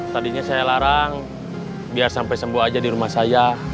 tadinya saya larang biar sampai sembuh aja di rumah saya